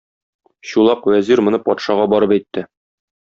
Чулак вәзир моны патшага барып әйтте.